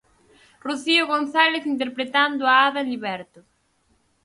Rocío González interpretando a Ada en 'Liberto'.